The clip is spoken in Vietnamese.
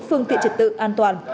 phương tiện trật tự an toàn